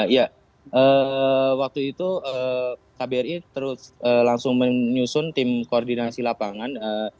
ya waktu itu kbri terus langsung menyusun tim koordinasi lapangan